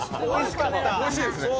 おいしかった。